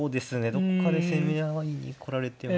どこかで攻め合いに来られても。